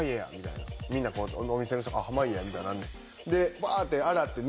みんなお店の人が濱家やみたいになんねん。